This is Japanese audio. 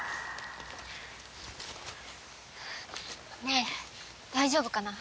ねえ大丈夫かな？